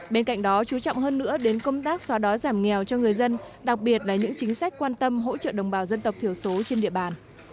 bên cạnh đó chú trọng hơn nữa đến công tác xóa đói giảm nghèo cho người dân đặc biệt là những chính sách quan tâm hỗ trợ đồng bào dân tộc thiểu số trên địa bàn